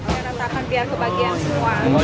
kita ratakan biar kebagian semua